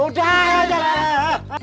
udah aja lah